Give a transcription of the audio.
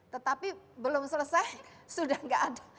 tetapi belum selesai sudah tidak ada